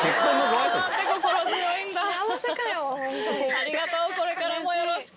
ありがとうこれからもよろしく！